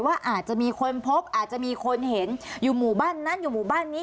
ว่าอาจจะมีคนพบอาจจะมีคนเห็นอยู่หมู่บ้านนั้นอยู่หมู่บ้านนี้